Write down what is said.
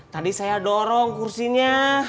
tadi saya dorong kursinya